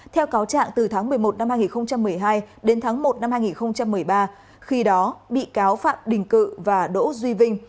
theo cáo trạng từ tháng một mươi một năm hai nghìn một mươi hai đến tháng một năm hai nghìn một mươi ba khi đó bị cáo phạm đình cự và đỗ duy vinh